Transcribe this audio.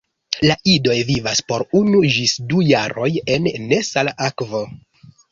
La idoj vivas por unu ĝis du jaroj en nesala akvo.